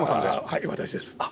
はい私です。